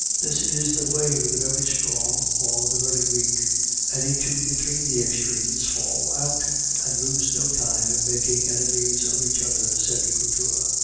"That is the way with the very strong or the very weak; any two between the extremes fall out and lose no time in making enemies of each other," said Couture.